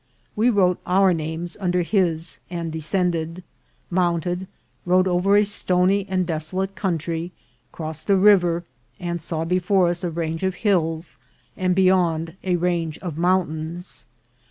We wrote our names under his and descended, mounted, rode over a stony and desolate country, crossed a river, and saw before us a range of hills, and beyond a range of mountains.